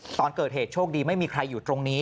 ตอนเกิดเหตุโชคดีไม่มีใครอยู่ตรงนี้